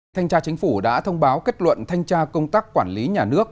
thanh tra chính phủ đã thông báo kết luận thanh tra công tác quản lý nhà nước